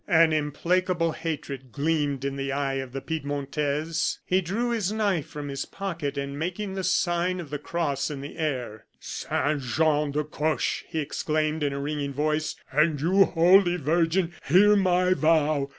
An implacable hatred gleamed in the eye of the Piedmontese. He drew his knife from his pocket, and making the sign of the cross in the air: "Saint Jean de Coche," he exclaimed, in a ringing voice, "and you, Holy Virgin, hear my vow.